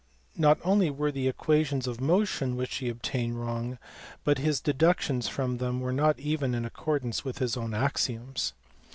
Not only were the equations of motion which he obtained wrong, but his deductions from them were not even in accordance with his own axioms.